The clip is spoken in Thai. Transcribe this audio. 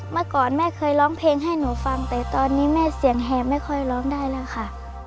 เมื่อก่อนแม่เคยร้องเพลงให้หนูฟังแต่ตอนนี้แม่เสียงแหบไม่ค่อยร้องได้แล้วค่ะ